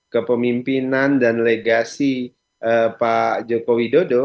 kepemimpinan dan legasi pak joko widodo